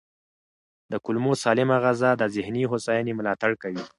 د کولمو سالمه غذا د ذهني هوساینې ملاتړ کوي.